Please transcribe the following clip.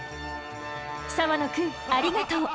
澤野くんありがとう！